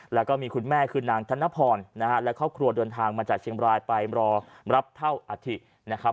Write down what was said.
แล้วก็มีคุณแม่คือนางธนพรนะฮะและครอบครัวเดินทางมาจากเชียงบรายไปรอรับเท่าอาธินะครับ